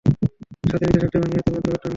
স্বাধীন ইচ্ছাশক্তি এবং নিয়তির মধ্যকার দ্বন্ধ!